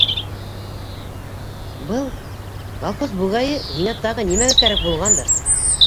- Был... колхоз бүгәйе һиңә тағы нимәгә кәрәк булғандыр?